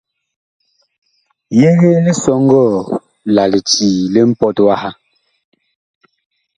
Yegee lisɔŋgɔɔ la licii li mpɔt waha.